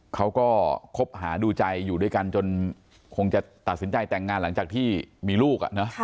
เขาก็คบหาดูใจอยู่ด้วยกันจนคงจะตัดสินใจแต่งงานหลังจากที่มีลูก